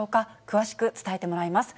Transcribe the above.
詳しく伝えてもらいます。